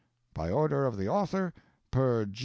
BY ORDER OF THE AUTHOR PER G.